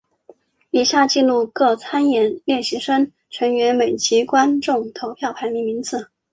以下记录各参演练习生成员每集观众投票排名名次。